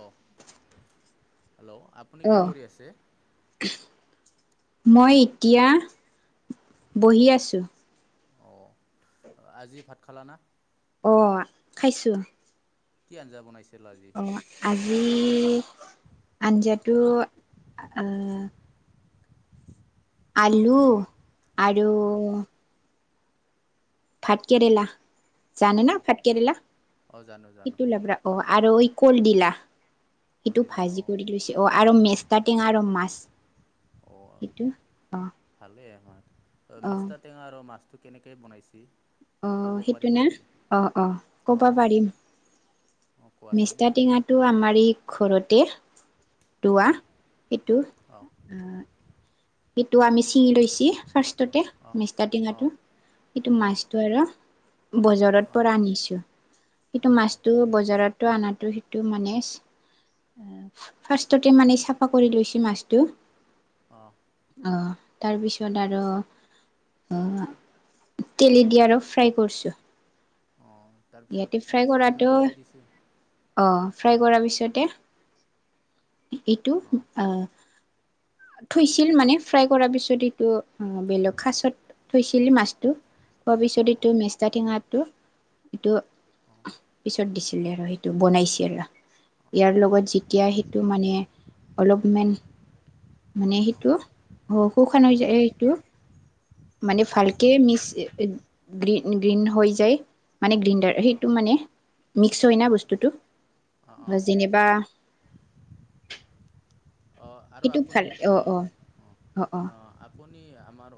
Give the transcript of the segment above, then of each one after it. অ', hello, আপুনি কি অ', কৰি আছে? মই এতিয়া, বহি আছোঁ। অ', আজি ভাত খালা না? অ', খাইছো। কি আঞ্জা বনাইছে? অ', আ আঞ্জাটো অ'। আলু আৰু ভাত কেৰেলা জানে না অঁ ভাট কেৰেলা অঁ জানো জানো সেইটো লাব্ৰা অ'। আৰু ঐ কলডিলা সেইটো কলডিলা ভাজি অঁ কৰি লৈছে অ', আৰু মেচকা টেঙা আৰু মাছ। অ সেইটো অ', ভালেই আমাৰ অ', মেচকা টেঙা আৰু মাছটো কেনেকৈ বনাইছে আহ ক'ব সেইটো পাৰিব নে নেকি অ অ কব অঁ পাৰিম অঁ কোৱাচোন মেচকা টেঙা তটো আমাৰ ই ঘৰতে ৰোৱা অঁ সেইটো অঁ সেইটো আমি ছিঙি লৈছ ফাৰ্ষ্টতে অঁ মেচকা অঁ টেঙাটো সেইটো অঁ মাছটো আৰু বজাৰত অঁ পৰা আনিছো সেইটো অঁ মাছটো বজাৰত টো আনাটো সেইটো মানে ফাৰ্ষ্টতে মানে চাফা কৰি লৈছে মাছটো আহ অ তাৰপিছত আৰু আহ তেলদি আৰু ফ্ৰাই কৰিছো অ ইয়াতে তাৰপিছত মেচকা টেঙাটো দি দিছে আহ ফ্ৰাই কৰাৰ পিছতে এইটো অঁ আহ থৈছিল মানে ফ্ৰাই কৰাাৰ পিছত এইটো বেলেগ খাচত থৈছিল মাছটো হোৱাৰ পিছত অঁ অঁ এইটো মেচকা টেঙাটো এইটো অঁ পিছত দিছিলে আৰু সেইটো বনাইছে আৰু অঁ ইয়াৰ অঁ লগত যেতিয়া সেইটো মানে অলপমান মানে অঁ অঁ সেইটো অ শুকান হৈ অঁ যায় সেইটো মানে ভালকে মিচ গ গ্ৰীণ হৈ যায় মানে গ্ৰিণ্ডাৰ সেইটো মানে মিক্স হয় ন অঁ অঁ অঁ বস্তুটো যেনিবা অ' আৰু সেইটো আপুনি ভাল অ কোৱা অ অ অ আপুনি আমাৰ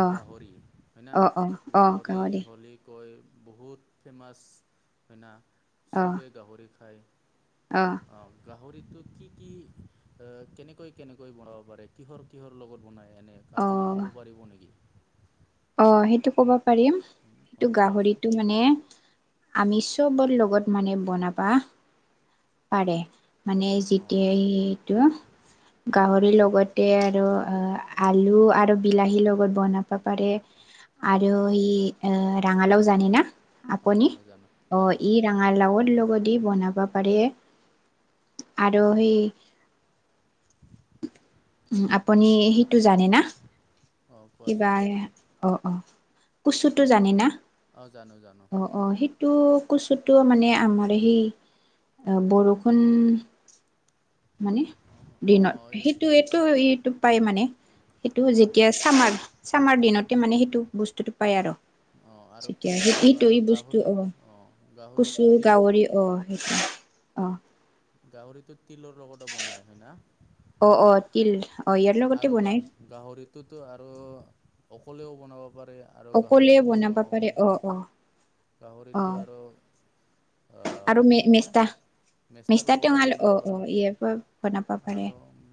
অ গাহৰি হয় ন অ অ অ গাহৰি হ'লে কৈ বহুত ফেমাছ হয়না চবেই গাহৰি খায় আহ গাহৰিতটো কি কি কেনেকৈ কেনেকৈ বনাব পাৰে কিহৰ কিহৰ লগত বনাই এনে আপুনি ক'ব পাৰিব নেকি আহ সেইটো ক'ব পাৰিম সেইটো অ' কোৱাচোন গাহৰিটো মানে আমি চবৰ লগত মানে বনাবা পাৰে। মানে অ' যেতিয়া এইটো গাহৰি লগতে আৰু অ আলু আৰু বিলাহীৰ লগত বনাব পাৰে। অ' আৰু ই ৰাঙালাও জানে না? অ' আপুনি জানো জানো অ জানো ই ৰাঙালাওত ল দি বনাব পাৰে আৰু সেই আপুনি সেইটো জানে না? অ' কিবা কোৱাচোন অ-অ কুচুটো জানি না? অ জানো-জানো। টো কচুটো মানে আমাৰ সেই বৰষুণ মানে অ' দিনত অ' এই সেইটো এইটো-এইটো পাই মানে। সেইটো অ' যেতিয়া চামাৰ-চামাৰ দিনতে মানে সেইটো বস্তুতটো পাই আৰু। অ আৰু যেতিয়া সেই কচু সেইটো আৰু এই বস্তু অ গাহৰিত আহ কচু গাহৰিটো তিল গাহৰি অ সেইটো অ। গাহৰিতো তিলৰ লগতে বনাই হয় না? আহ-আহ তিল আহ ইয়াৰ লগতে আৰু বনাই গাহ গাহৰিটোতো আৰু অকলেও বনাব পাৰে আৰু অকলে গাহৰিটো বনাব পাৰে অ-অ গাহৰিতটো আৰু আৰু ম মেচতা মেচকা লগতো বনাব পাৰে বনাব পাৰে আৰু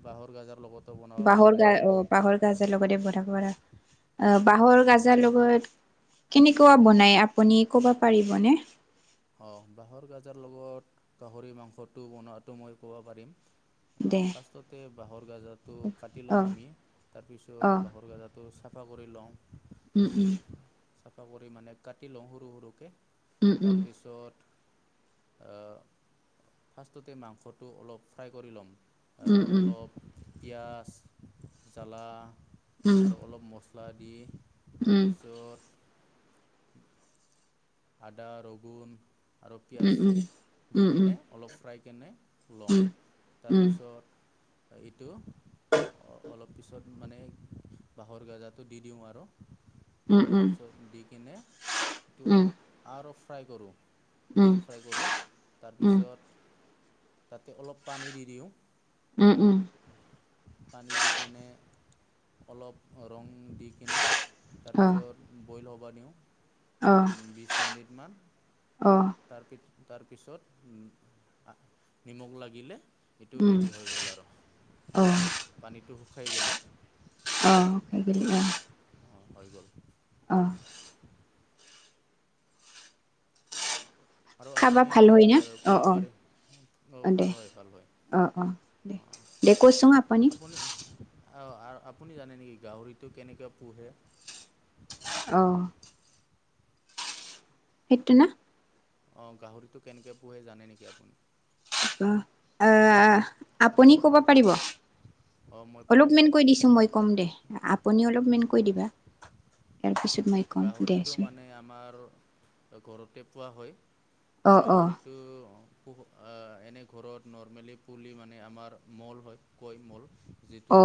বাহৰ গাজৰ লগতো বনাব বাঁহৰ পাৰে অ বাহৰ গাজৰ লগতে বনাব পাৰা বাঁহৰ গাজাৰ লগত কেনেকুৱা বনায় আপুনি ক'ব পাৰিবনে। অ বাঁহৰ গাজৰ লগত গাহৰি মাংসটো বনোৱাটো মই ক'ব পাৰিম। অ দে ফাৰ্ষ্টতে বাঁহৰ গাজাটো কাটি অ ল'ম আমি তাৰপিছত বাঁহৰ গাজাটো চা চাফা কৰি লওঁ উম-উম। চাফা কৰি মানে কাটি লওঁ সৰু সৰুকে উম-উম। অত ফাৰ্ষ্টতে মাংসটো অলপ ফ্ৰাই কৰি ল'ম। উম উম অলপ পিয়াজ জ্বালা উম। পা দি উম তাৰপিছত আদা ৰগুন আৰু উম উম পিয়াজ উম উম উম দি কিনে অলপ ফ্ৰাই কিনে উম উম লওঁ তাৰপিছত এইটো [unintelligible] অলপ পিছত মানে বাঁহৰ গজাটো দি দিওঁ আৰু। উম উম তাৰপিছত দি কিনে এইটো উম আৰু ফ্ৰাই কৰোঁ। ডিপ ফ্ৰাই কৰোঁ তাৰপিছত তাতে অলপ পানী দি দিওঁ পানী দি কেনে অলপ ৰং দি কিনে তাৰপিছত বইল হ'ব দিওঁ। উ বিশ মিনিট মান তাৰপিত তাৰপিছত নিমখ লাগিলে এইটো ৰেডি হৈ গ'ল আৰু পানীটো শুকাই গ'লে অ খাগ ল অ হৈ গ'ল। আহ। আৰু খাবা আপুনি ভাল হয় এ না অ কব অ পাৰে অ ভাল হয়-ভাল হয়। অ-অ অঁ দে-দে ক'চোন আপুনি অ আপুনি জানে নেকি গাহৰিটো কেনেকৈ পোহে? অ- সেইটো ন? অ গাহৰিটো কেনেকৈ পোহে জানে নেকি আপুনি? অ-অ-আহ আপুনি কব পাৰিব? অঁ মই পাৰিম অলপমান দে কৈ দিছো মই ক'ম দে আপুনিও অলপমান কৈ অঁ দিবা। ইয়াৰ পিছত মই ক'ম গাহৰিটো দেচোন মানে আমাৰ ঘৰতে পোৱা অ হয়। অ গাহৰিটো প- আ এনে ঘৰত নৰ্মেলি পুলি মানে আমাৰ মল হয় কৈ মল। যিটো অ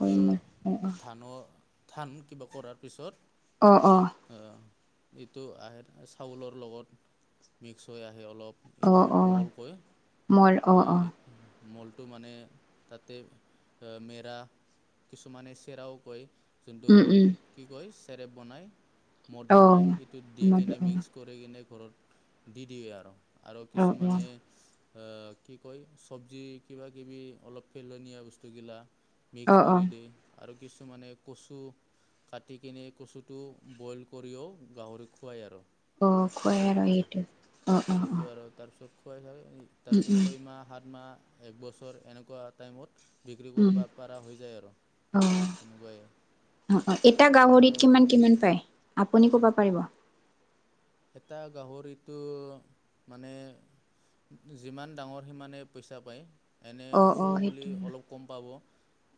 কৈ মোৰ অ ধানৰ-ধান কিবা কৰাৰ পিছত- অ-অ এইটো আহে চাউলৰ লগত মিক্স হৈ আহে অলপ- অ অ এইটো অ মলকই। মোৰ অ অ এই- মলটো মানে তাতে মেৰা কিছুমানে চেৰাও কয়। জোনটো উম উম কি কয় চেৰেপ বনাই। মদ অ বনাই সেইটো দি মোৰ কিনে অ অ মিক্স কৰি কিনে ঘৰত দি দিয়ে আৰু। আৰু অ কিছুমানে- আ কি কয় চব্জি কিবা কিবি অলপ পেলনীয়া বস্তুগিলা- অ মিক্স অ কৰি দি আৰু কিছুমানে কচু কাটি কিনে কচুটো- বইল কৰিও গাহৰিক খুৱায় আৰু। অ খুৱাই হেনো কিছুমানে এইটো অ-অ-অ- এইটো আৰু তাৰপিছত খুৱাই হয়, তাৰপিছত ছয়মাহ সাত মাহ একবছৰ এনেকুৱা টাইমত বিক্ৰী উম, কৰবা পাৰা হৈ যায় আৰু, অ', সেনকুৱাই। অ', অ, এটা গাহৰিত কিমান কিমান পায়, আপুনি ক'ব পাৰিব? এটা গাহৰিটো, মানে যিমান ডাঙৰ সিমানে পইচা পায়। এনে অ', সৰু অ', হ'লে সেইটো অলপ কম পাব,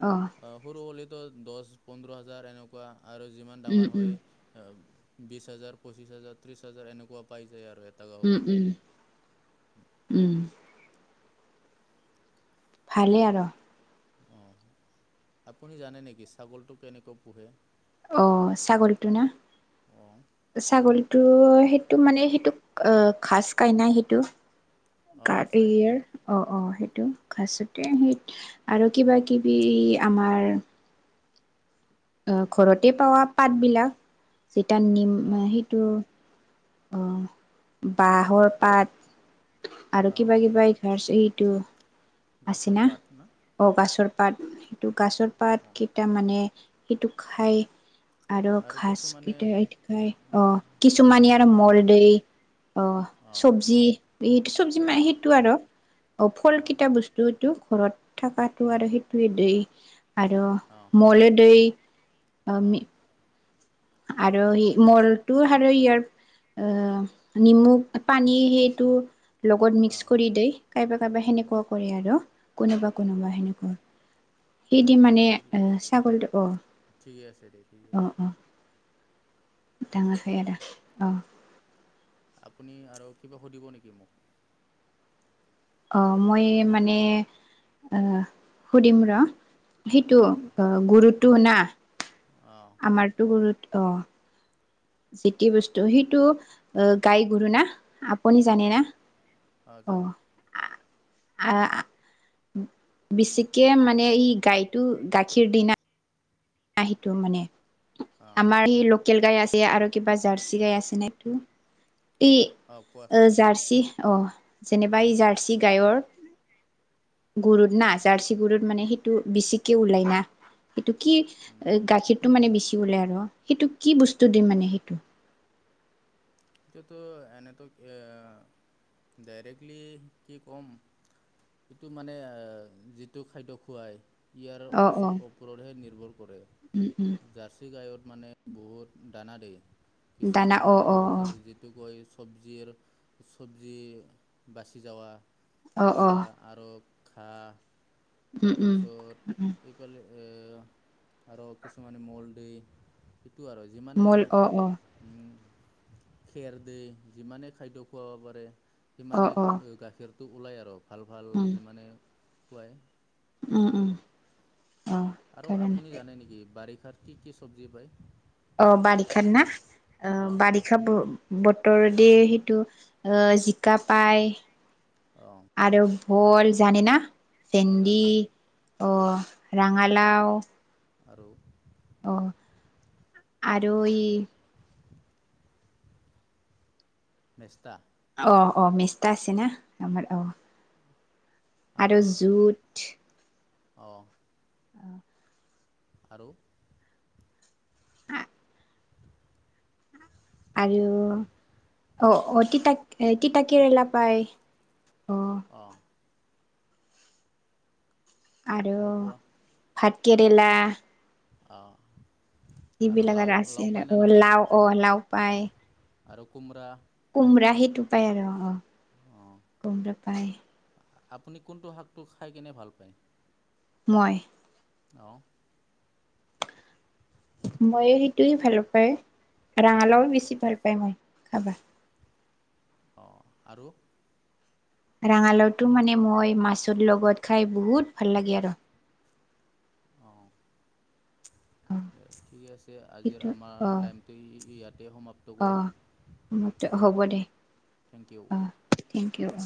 অ', আহ সৰু হ'লে দচ দচ পোন্ধৰ হাজাৰ এনেকুৱা আৰু যিমান উম, ডাঙৰ উম, হয় বিশ হাজাৰ পঁচিছ হাজাৰ ত্ৰিশ হাজাৰ এনেকুৱা পাই যাই আৰু। এটা উম গাহৰিত উম উম। ভালে আৰু। অ আপুনি জানে নেকি ছাগলটো কেনেকৈ পোহে? অ ছাগলীটো না? অঁ ছাগলীটো সেইটো মানে সেইটো অ ঘাচ খাই না সেইটো অঁ অঁ খায় [unintelligible] অ সেইটো ঘাচতে সেই আৰু কিবা কিবি আমাৰ অ ঘৰতে পাৱা পাতবলাক যেতিয়া নিম অঁ সেইটো অ বাঁহৰ পাত আৰু অঁ কিবা কিবা এই [unintelligible] এইটো গাছৰ আছিনা পাত না অ গাছৰ পাত সেইটো গাছৰ অঁ পাতকেইটা মানে সেইটো খাই আৰু ঘাচ কেইটা খাই অ চ কিছুমানে আৰু চব্জি মল দেই। অ অঁ চবজি, এই চবজি মা অঁ সেইটো আৰু অ ফল অঁ কেইটা বস্তু টো ঘৰত থাকাটো আৰু সেইটোৱে দেই আৰু অঁ মলো দেই। অঁ আমি আৰু সেই মলটো আৰু ইয়াৰ অ নিমখ পানী সেইটো লগত মিক্স অঁ কৰি দেই কাইবা কাইবা সেনেকুৱা কৰে আৰু। কোনোবা কোনোবা অঁ সেনেকুৱা, সেই দি দে মানে ঠিক ছাগলটো অহ ঠিকে আছে, দে ঠিক আছে। [unintelligible] আদা অহ। আপুনি আৰু কিবা সুধিব নেকি মোক? অ মই মানে অ সুধিম ৰ। সেইটো অ গুৰুটো না? অঁ আমাৰতো গুৰুত অ। যিতি বস্তু সেইটো অ গাই গৰু না? আপুনি যেনে না অঁ অঁ অ। জানো আহ বেছিকে মানে ই গাইটো গাখীৰ দিনা সেইটো মানে অঁ আমাৰ [unintelligible] কেল গাই আছে আৰু কিবা জাৰ্চি গাই আছেনে তো, অঁ কোৱাচোন এই জাৰ্চি অ যেনেবা এই জাৰ্চ গায়ৰ গৰুত না জাৰ্চি গৰুত মানে সেইটো বেছিকে ওলাই না সেইটো কি এ গাখীৰটো মানে বিচি ওলে আৰু সেইটো কি বস্তু দিম মানে সেইটো? এটোতো এনেতো এ ডাইৰেক্টলি কি কম এইটো মানে আহ যিটো খাদ্য খুৱাই ইয়াৰ অ অ ওচ ওপৰতহে নিৰ্ভৰ কৰে, উম উম জাৰ্চি গায়ত মানে বহুত দানা দেই। দানা অ অ। যিটো কৈ চব্জিৰ চব্জি বাচি যাৱা অ অ অ এইগিলা আৰ ঘাহ উম উম তাৰপিছত এইফালে এ আৰু কিছুমানে মল দি টো আৰু যিমানে মল অ অ উম খেৰ দেই যিমানে খাদ্য খুৱাব পাৰে অ সিমানে অ গাখীৰ টো ওলাই আৰু ভাল ভাল উম যিমানে খুৱায় উম সে উম অ আৰু কাৰণ আপুনি জানে নেকি বাৰিষাত কি কি চবজি পায়। অ', বাৰিষাত না অ, অ'। বাৰিষাত ব বতৰ দ সেইটো জিকা পায় অঁ আৰু ভুল জানে না অঁ ভেণ্ডি জানো অ ৰাঙালাও আৰু অ', আৰু এই মেষ্টা অ', অ', মেষ্টা আছে না আমাৰ অ। আৰু জুত অ'। অ'। আৰু হ আৰু অ', অ', তিতা তিতা কেৰেলা পায়। অ অঁ আৰু ভাত কেৰেলা অ'। এইবিলাক আৰু আছে ন অ লাও অ লাও পায়। আৰু কোমৰা কোমৰা সেইটো পায় আৰু আহ অঁ কোমৰা পায়। আপুনি কোনটো শাকটো খাই কেনে ভাল পায়? মই অ'। মই সেইটোৱে ভাল পায় ৰঙালাও বেছি ভাল পায় মই খাবা। অ', আৰু? ৰঙালাওটো মানে মই মাছৰ লগত খাই বহুত ভাল লাগে আৰু। অঁ অ' দে ঠিকে আছে আজিৰ সেইটো আমাৰ অ' টাইমটো ইয়াত অ', হ'ব দে থেংক ইউ অ', থেংক ইউ অ।